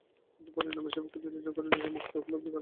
কিন্তু পরিণামে সে প্রকৃতিকে জয় করে এবং নিজের মুক্তি উপলব্ধি করে।